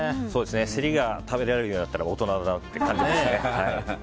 セリが食べられるようになったら大人だなって感じですね。